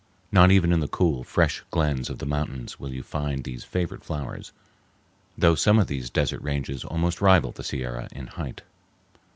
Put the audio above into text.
Not even in the cool, fresh glens of the mountains will you find these favorite flowers, though some of these desert ranges almost rival the Sierra in height.